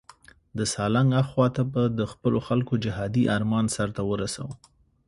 د سالنګ اخواته به د خپلو خلکو جهادي آرمان سرته ورسوو.